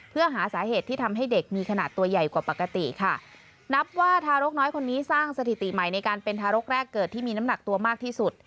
เพื่อหาสาเหตุที่ทำให้เด็กมีขนาดตัวใหญ่กว่าปกติค่ะนับว่าทารกน้อยคนนี้สร้างสถิติใหม่ในการเป็นทารกแรกเกิดที่มีน้ำหนักตัวมากที่สุด